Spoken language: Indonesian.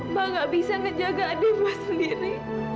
mbak nggak bisa ngejaga adik mbak sendiri